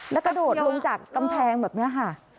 แล้วกระโดดลงจากกำแพงแบบนี้ค่ะ